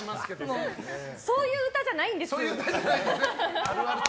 そういう歌じゃないんです。